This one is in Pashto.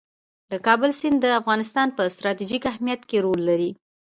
د کابل سیند د افغانستان په ستراتیژیک اهمیت کې رول لري.